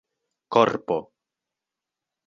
korpo